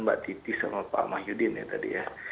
mbak titi sama pak mahyudin ya tadi ya